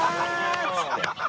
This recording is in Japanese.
っつって。